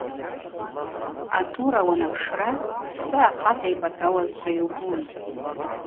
Атӏура уанапшра псы ахъата йпӏатӏауазшва йубун.